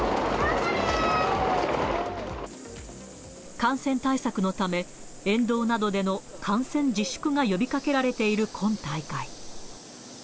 感染対策のため、沿道などでの観戦自粛が呼びかけられている今大会。